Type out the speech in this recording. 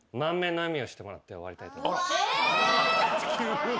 急に。